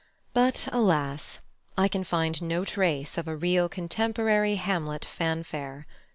But, alas! I can find no trace of a real contemporary Hamlet fanfare.